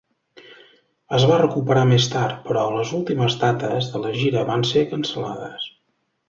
Es va recuperar més tard, però les últimes dates de la gira van ser cancel·lades.